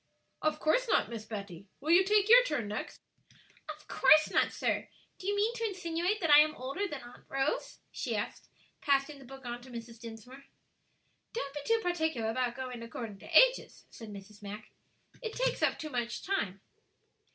"Of course not, Miss Betty; will you take your turn next?" "Of course not, sir; do you mean to insinuate that I am older than Aunt Rose?" she asked, passing the book on to Mrs. Dinsmore. "Don't be too particular about going according to ages," said Mrs. Mack, "it takes up too much time."